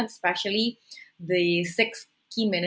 enam pemerintah utama yang